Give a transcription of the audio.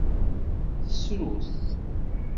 Tessru-t.